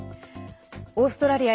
オーストラリア